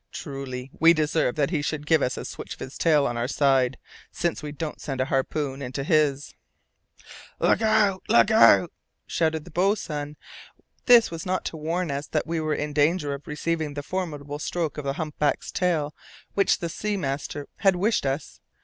Truly, we deserve that he should give us a switch of his tail on our side, since we don't send a harpoon into his." [Illustration: "There, look there! That's a fin back!"] "Look out! Look out!" shouted the boatswain. This was not to warn us that we were in danger of receiving the formidable stroke of the humpback's tail which the sealing master had wished us.